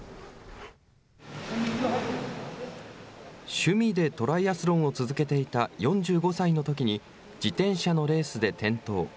趣味でトライアスロンを続けていた４５歳のときに、自転車のレースで転倒。